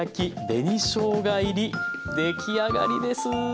出来上がりです。